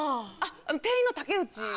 店員の竹内です。